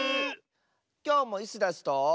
きょうもイスダスと。